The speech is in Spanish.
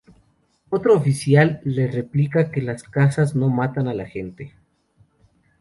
Otro oficial le replica que las casas no matan a la gente.